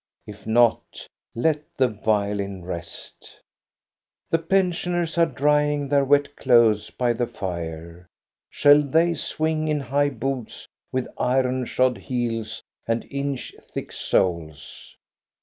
If not, let the violin rest The pensioners are drying their wet clothes by the fire. Shall they swing in high boots with iron shod heels and inch thick soles?